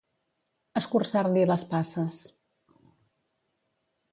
Escurçar-li les passes.